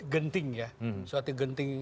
genting ya suatu genting